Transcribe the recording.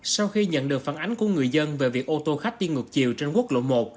sau khi nhận được phản ánh của người dân về việc ô tô khách đi ngược chiều trên quốc lộ một